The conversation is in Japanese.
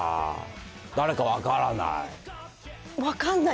誰か分からない？